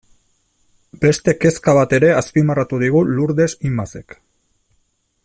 Beste kezka bat ere azpimarratu digu Lurdes Imazek.